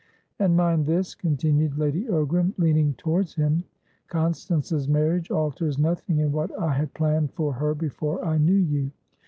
"And mind this," continued Lady Ogram, leaning towards him. "Constance's marriage alters nothing in what I had planned for her before I knew you.